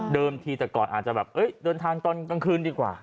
ทีแต่ก่อนอาจจะแบบเดินทางตอนกลางคืนดีกว่า